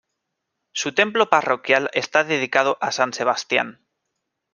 Su templo parroquial está dedicado a San Sebastián.